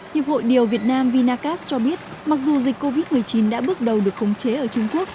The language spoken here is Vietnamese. hiệp hội điều việt nam vinacast cho biết mặc dù dịch covid một mươi chín đã bước đầu được khống chế ở trung quốc